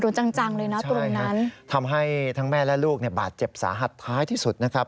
อย่างแรงไงคุณใช่ไหมครับทำให้ทั้งแม่และลูกบาดเจ็บสาหัสท้ายที่สุดนะครับ